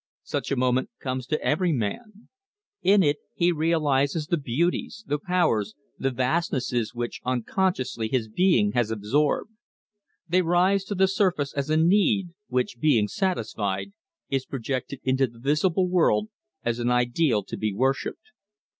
Such a moment comes to every man. In it he realizes the beauties, the powers, the vastnesses which unconsciously his being has absorbed. They rise to the surface as a need, which, being satisfied, is projected into the visible world as an ideal to be worshipped.